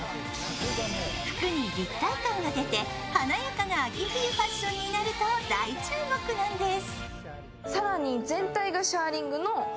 服に立体感が出て華やかな秋冬ファッションになると大注目なんです。